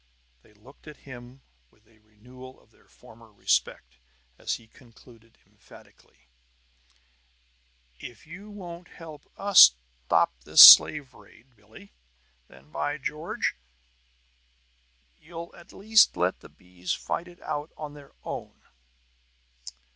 They looked at him with a renewal of their former respect as he concluded emphatically: "If you won't help us stop this slave raid, Billie, then, by George, you'll at least let the bees fight it out on their own!"